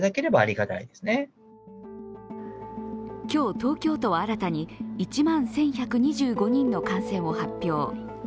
今日、東京都は１万１１２５人の感染を発表。